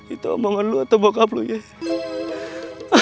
itu omongan lu atau bokap lu ya